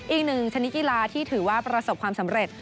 อีกหนึ่งชนิดกีฬาที่ถือว่าประสบความสำเร็จ